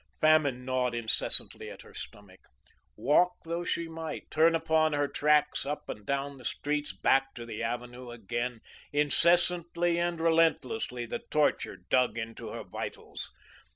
Famine gnawed incessantly at her stomach; walk though she might, turn upon her tracks up and down the streets, back to the avenue again, incessantly and relentlessly the torture dug into her vitals.